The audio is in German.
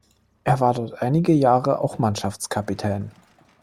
Er war dort einige Jahre auch Mannschaftskapitän.